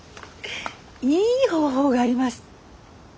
いい方法があります。